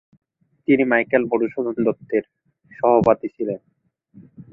তিনি মাইকেল মধুসূদন দত্তের সহপাঠী ছিলেন।